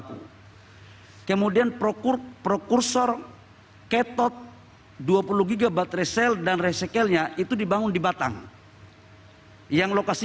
khususnya keperluan ekonomi dan teknologi